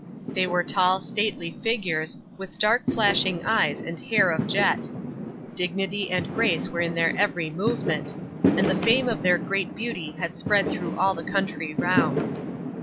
They were tall stately figures, with dark flashing eyes and hair of jet; dignity and grace were in their every movement; and the fame of their great beauty had spread through all the country round.